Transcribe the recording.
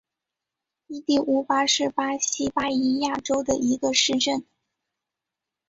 伊蒂乌巴是巴西巴伊亚州的一个市镇。